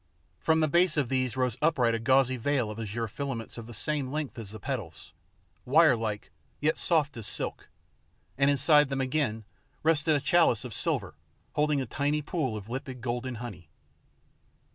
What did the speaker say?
From the base of these rose upright a gauzy veil of azure filaments of the same length as the petals, wirelike, yet soft as silk, and inside them again rested a chalice of silver holding a tiny pool of limpid golden honey.